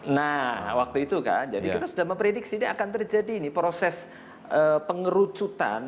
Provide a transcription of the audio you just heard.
nah waktu itu kan jadi kita sudah memprediksi ini akan terjadi nih proses pengerucutan